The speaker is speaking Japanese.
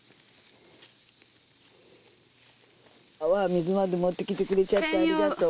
水まで持ってきてくれちゃってありがとう